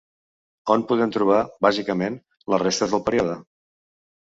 On podem trobar, bàsicament, les restes del període?